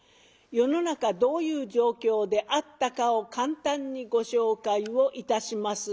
世の中どういう状況であったかを簡単にご紹介をいたします。